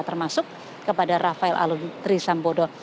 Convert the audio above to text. termasuk kepada rafael alun trisambodo